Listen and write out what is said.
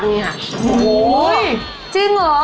โหจริงเหรอ